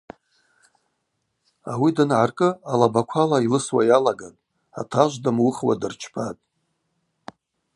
Ари дангӏаркӏы алабаквала йлысуа йалагатӏ, атажв дамуыхуа дырчпатӏ.